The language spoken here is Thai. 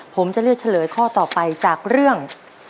ผมจะเลือกเฉลยข้อต่อไปจากเรื่อง